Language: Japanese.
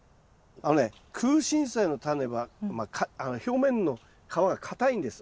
あのねクウシンサイのタネは表面の皮が硬いんです。